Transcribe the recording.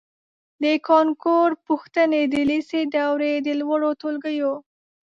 د کانکور پوښتنې د لېسې دورې د لوړو ټولګیو